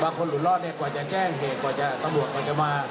บางคนหลวงรอดกว่าจะแจ้งเหตุกว่าจะตำรวจมันจะมา